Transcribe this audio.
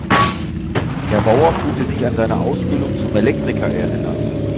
Herr Bauer fühlte sich an seine Ausbildung zum Elektriker erinnert.